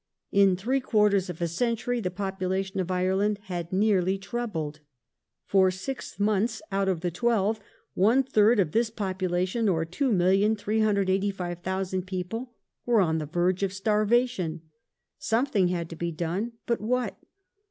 In three quarters of a century the population of Ireland had nearly trebled. For six months out of the twelve one third of this population, or 2,385,000 people, were on the verge of starvation. Something had to be done ; but what